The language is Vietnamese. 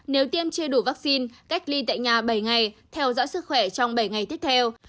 nếu tiêm chưa đủ vaccine cách ly tại nhà bảy ngày theo dõi sức khỏe trong bảy ngày tiếp theo